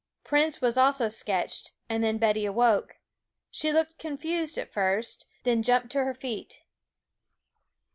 Prince was also sketched; and then Betty awoke. She looked confused at first, then jumped to her feet.